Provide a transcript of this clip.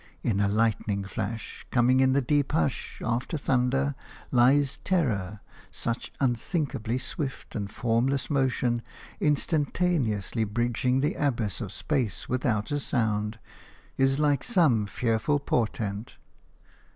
In a lightning flash, coming in the deep hush after thunder, lies terror; such unthinkably swift and formless motion, instantaneously bridging the abyss of space without a sound, is like some fearful portent.